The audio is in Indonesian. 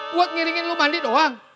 buat ngiringin lu mandi doang